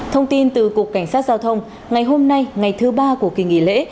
thông tin từ cục cảnh sát giao thông ngày hôm nay ngày thứ ba của kỳ nghỉ lễ